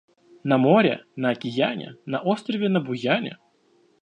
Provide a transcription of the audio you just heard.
На море, на окияне, на острове на Буяне.